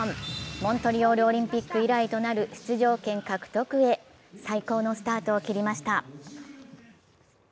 モントリオールオリンピック以来となる出場権獲得へ最高のスタートを切りました。